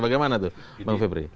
bagaimana tuh bang febri